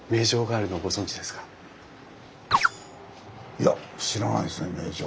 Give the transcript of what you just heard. いや知らないですね名城。